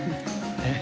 えっ。